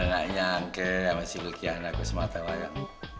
neneknya angget sama si lukihan aku semata layang